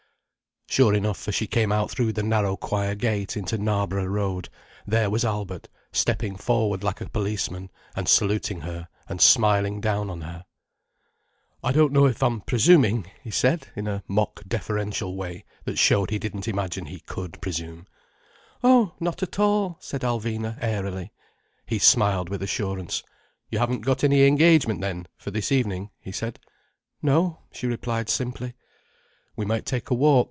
Sure enough, as she came out through the narrow choir gate into Knarborough Road, there was Albert stepping forward like a policeman, and saluting her and smiling down on her. "I don't know if I'm presuming—" he said, in a mock deferential way that showed he didn't imagine he could presume. "Oh, not at all," said Alvina airily. He smiled with assurance. "You haven't got any engagement, then, for this evening?" he said. "No," she replied simply. "We might take a walk.